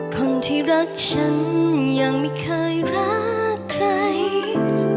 คนที่รักฉันยังไม่เคยรักใคร